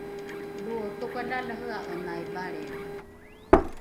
lo tokalalehea’enai valrio